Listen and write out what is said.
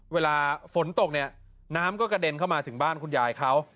เวลาฝนตกเนี่ยน้ำก็กระเด็นเข้ามาถึงบ้านคุณยายเขา